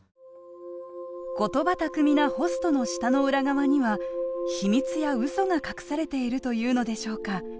言葉巧みなホストの舌の裏側には秘密やうそが隠されているというのでしょうか。